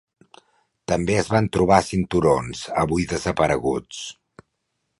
També es van trobar cinturons, avui desapareguts.